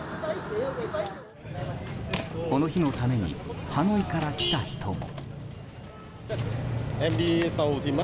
この日のためにハノイから来た人も。